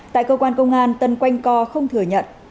tại cơ quan công an tân quanh co không thừa nhận